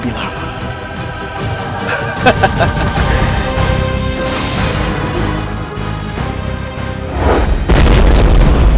hidup lebih lama